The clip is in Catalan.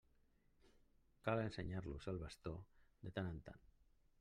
Cal ensenyar-los el bastó de tant en tant.